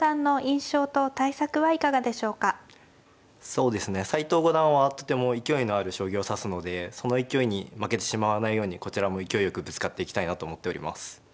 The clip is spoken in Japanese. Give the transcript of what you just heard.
そうですね斎藤五段はとても勢いのある将棋を指すのでその勢いに負けてしまわないようにこちらも勢いよくぶつかっていきたいなと思っております。